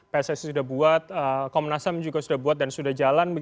pssi sudah buat komnas ham juga sudah buat dan sudah jalan